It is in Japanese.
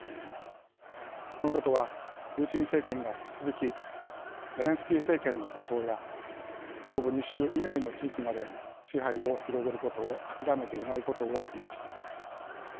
このことはプーチン政権が引き続きゼレンスキー政権の打倒や東部２州以外の地域まで支配を広げることを諦めていないことを意味しています。